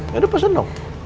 ya udah pas seneng